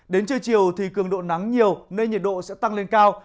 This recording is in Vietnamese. đến trưa chiều thì cường độ nắng nhiều nên nhiệt độ sẽ tăng lên cao